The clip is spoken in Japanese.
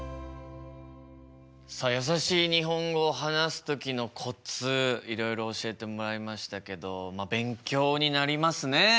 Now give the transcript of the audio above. さあやさしい日本語を話す時のコツいろいろ教えてもらいましたけど勉強になりますね。